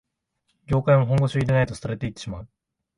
業界も本腰入れないと廃れていってしまう